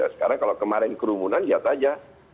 sekarang kalau kemarin kerumunan lihat saja